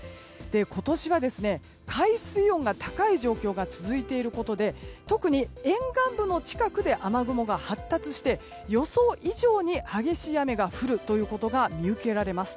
今年は海水温が高い状況が続いていることで特に沿岸部の近くで雨雲が発達して予想以上に激しい雨が降ることが見受けられます。